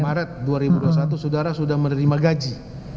maret dua ribu dua puluh satu saudara sudah menerima gaji